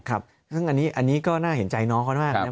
อันนี้ก็น่าเห็นใจน้องน้องขนาดนี้มากนะครับ